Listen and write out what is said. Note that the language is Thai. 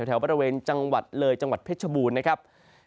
แถวบริเวณจังหวัดเลยจังหวัดเพชรบูรณ์นะครับ